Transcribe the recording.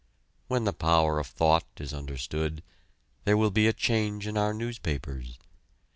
When the power of thought is understood, there will be a change in our newspapers.